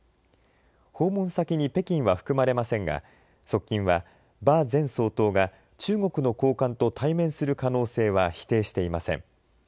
訪問先に北京は含まれませんが側近は馬前総統が中国の高官と対面する可能性は否定していません。